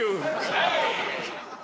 はい！